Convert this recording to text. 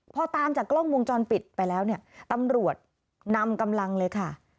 พอตามจากกล้องวงจรปิดไปแล้วเนี่ยตำรวจนำกำลังเลยค่ะ